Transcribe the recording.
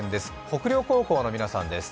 北陵高校の皆さんです。